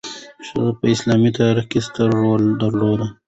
ښځې په اسلامي تاریخ کې ستر رول درلود.